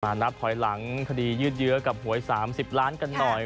นับถอยหลังคดียืดเยื้อกับหวย๓๐ล้านกันหน่อย